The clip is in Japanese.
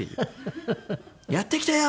「やってきたよ！」